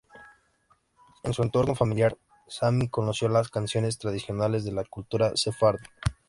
En su entorno familiar, Sami conoció las canciones tradicionales de la cultura sefardí.